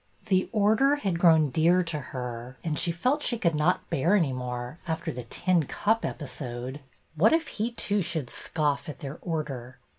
The Order had grown dear to her, and she felt .she could not bear any more, after the " tin cup " episode. What if he too should scoff at their Order.?